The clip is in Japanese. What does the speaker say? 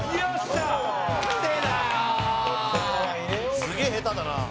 すげえ下手だな。